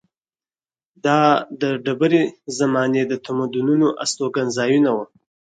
دا د ډبرې زمانې د تمدنونو استوګنځایونه وو.